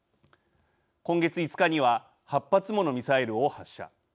今月５日には８発ものミサイルを発射。